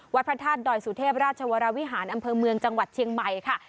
พระธาตุดอยสุเทพราชวรวิหารอำเภอเมืองจังหวัดเชียงใหม่ค่ะ